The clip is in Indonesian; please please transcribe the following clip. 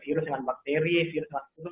virus dengan bakteri virus dengan virus